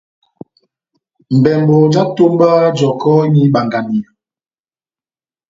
Mbɛmbɔ já etómba jɔkɔ́ imɛndɛndi ibanganiya.